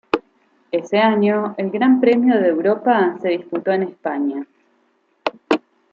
Ese año, el Gran Premio de Europa se disputó en España.